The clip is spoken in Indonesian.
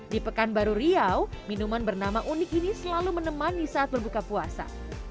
di pekanbaru riau minuman bernama unik ini selalu menemani saat berbuka puasa